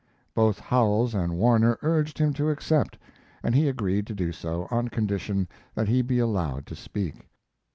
Both Howells and Warner urged him to accept, and he agreed to do so on condition that he be allowed to speak.